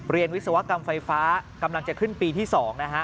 วิศวกรรมไฟฟ้ากำลังจะขึ้นปีที่๒นะฮะ